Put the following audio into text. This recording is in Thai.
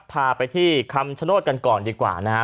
พาไปที่คำชโนธกันก่อนดีกว่านะฮะ